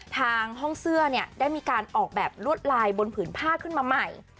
ทางห้องเสื้อเนี่ยได้มีการออกแบบลวดลายบนผืนผ้าขึ้นมาใหม่